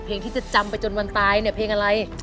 เพลงที่จะจำไปจนวันตายเนี่ยเพลงอะไร